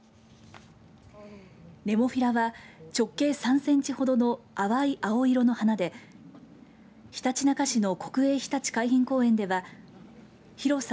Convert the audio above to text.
ネモフィラは直径３センチほどの淡い青色の花でひたちなか市の国営ひたち海浜公園では広さ